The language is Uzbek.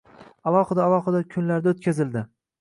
Alohida-alohida kunlarda o‘tkazildi.